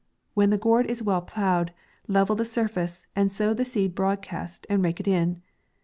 When the ground is well ploughed, level the surface, and sow the seed broad cast, and rake it in.